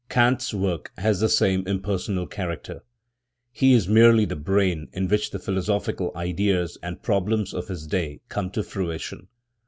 Kant's work has the same impersonal character. lie is merely the brain in which the philosophical ideas and problems of his day come to fruition.